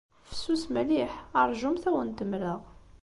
Fessus mliḥ. Ṛjumt ad awent-mleɣ.